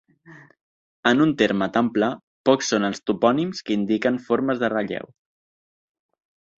En un terme tan pla, pocs són els topònims que indiquen formes de relleu.